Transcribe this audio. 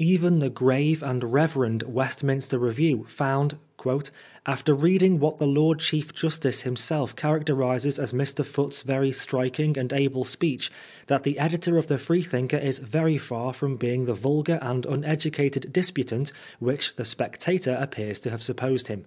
Even the grave and reverend Westminster Review found "after reading what the Lord Chief Justice himself characterises as Mr. Foote's very striking and able speech, that the editor of the Freethinker is very far from being the vulgar and uneducated disputant which the ^^totor appears to have supposed him."